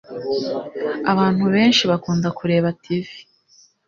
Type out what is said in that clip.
Abantu benshi bakunda kureba TV